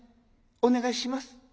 お願いします